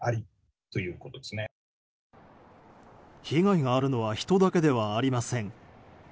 被害があるのは人だけではありません。